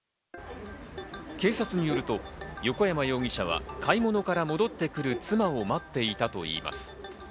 警察によると横山容疑者は買い物から戻ってくる妻を待っていたといいます。